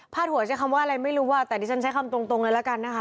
หัวใช้คำว่าอะไรไม่รู้อ่ะแต่ดิฉันใช้คำตรงเลยละกันนะคะ